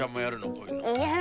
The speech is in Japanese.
こういうの。